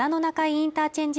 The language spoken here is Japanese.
インターチェンジ